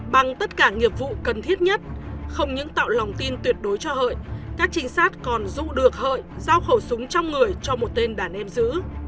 bằng tất cả nghiệp vụ cần thiết nhất không những tạo lòng tin tuyệt đối cho hợi các trinh sát còn rụ được hợi giao khẩu súng trong người cho một tên đàn em giữ